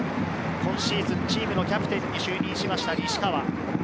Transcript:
今シーズンチームのキャプテンに就任しました、西川。